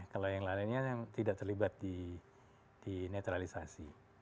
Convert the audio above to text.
kalau yang lainnya yang tidak terlibat di netralisasi